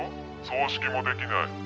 葬式も出来ない。